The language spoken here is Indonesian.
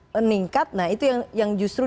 meningkat nah itu yang justru